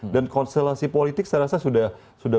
dan konstelasi politik saya rasa sudah berubah